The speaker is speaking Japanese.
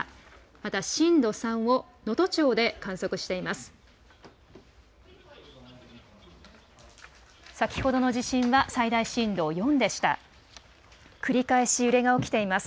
また震度３を能登町で観測しています。